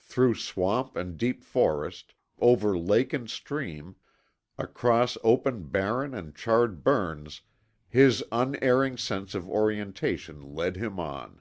Through swamp and deep forest, over lake and stream, across open barren and charred burns his unerring sense of orientation led him on.